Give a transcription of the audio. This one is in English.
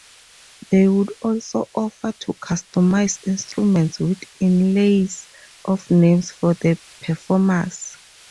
They would also offer to customize instruments with inlays of names for the performers.